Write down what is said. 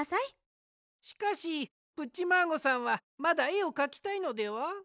しかしプッチマーゴさんはまだえをかきたいのでは？